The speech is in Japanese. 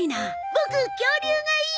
ボク恐竜がいい！